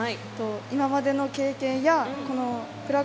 今までの経験やフラ